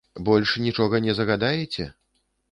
Больш нічога не загадаеце?